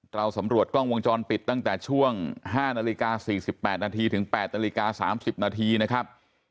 เราสำรวจกล้องวงจรปิดตั้งแต่ช่วง๕นาฬิกา๔๘นาทีถึง๘นาฬิกา๓๐นาทีนะครับ